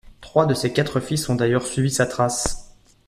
Trois de ses quatre fils ont d'ailleurs suivi sa trace.